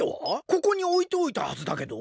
ここにおいておいたはずだけど。